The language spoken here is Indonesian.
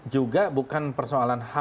juga bukan persoalannya